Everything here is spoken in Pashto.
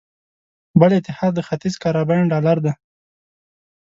بل اتحاد د ختیځ کارابین ډالر دی.